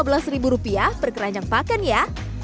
pengunjung harus membayar rp lima belas per keranjang pakan ya